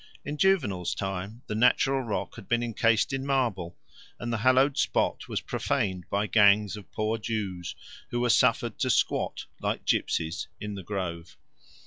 In Juvenal's time the natural rock had been encased in marble, and the hallowed spot was profaned by gangs of poor Jews, who were suffered to squat, like gypsies, in the grove.